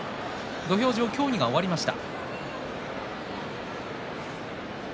土俵上、協議が終わりました。